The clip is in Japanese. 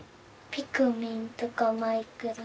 ピクミンとかマイクラ。